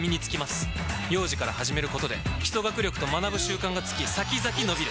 幼児から始めることで基礎学力と学ぶ習慣がつき先々のびる！